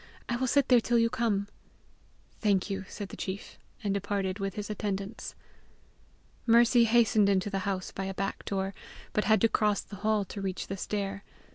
I will sit there till you come." "Thank you," said the chief, and departed with his attendants. Mercy hastened into the house by a back door, but had to cross the hall to reach the stair.